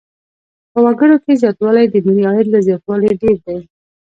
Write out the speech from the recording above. په وګړو کې زیاتوالی د ملي عاید له زیاتوالي ډېر دی.